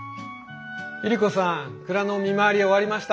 百合子さん蔵の見回り終わりました。